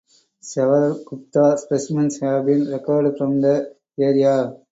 Several Gupta specimens have been recovered from the area.